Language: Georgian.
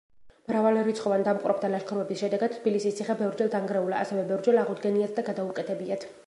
მრავალრიცხოვან დამპყრობთა ლაშქრობების შედეგად თბილისის ციხე ბევრჯერ დანგრეულა, ასევე ბევრჯერ აღუდგენიათ და გადაუკეთებიათ.